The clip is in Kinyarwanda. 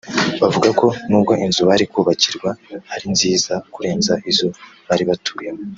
Bavuga ko nubwo inzu bari kubakirwa ari nziza kurenza izo bari batuyemo